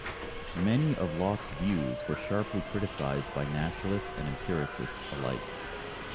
Many of Locke's views were sharply criticized by rationalists and empiricists alike.